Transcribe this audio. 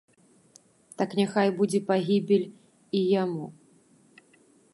Так няхай будзе пагібель і яму!